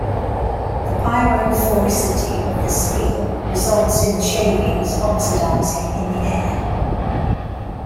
The pyrophoricity of the steel results in the shavings oxidising in the air.